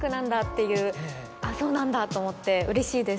そうなんだと思ってうれしいです